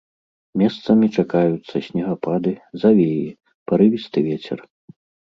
Месцамі чакаюцца снегапады, завеі, парывісты вецер.